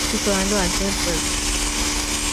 Situada en lo alto del pueblo.